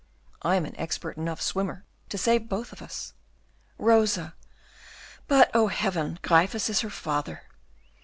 I am expert enough as a swimmer to save both of us. Rosa, but, oh Heaven, Gryphus is her father!